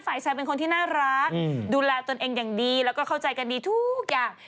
ฝ่ายชายเป็นคนที่น่ารักดูแลตนเองอย่างดีแล้วก็เข้าใจกันดีทุกอย่าง